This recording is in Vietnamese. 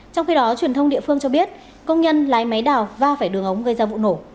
trong khi đó truyền thông địa phương cho biết công nhân lái máy đào và phải đường ống gây ra vụ nổ